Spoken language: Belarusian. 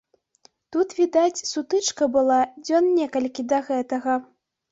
Тут, відаць, сутычка была дзён некалькі да гэтага.